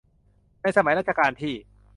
ในสมัยรัชกาลที่